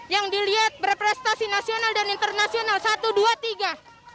yang dilihat berprestasi nasional dan internasional satu dua tiga